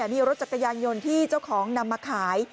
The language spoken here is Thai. มีรถจักรยานยนต์ที่เจ้าของนำมาขาย